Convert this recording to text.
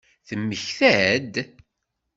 Temmekta-d?